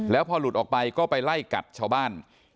แล้วพอหลุดออกไปก็ไปไล่กัดชาวบ้าน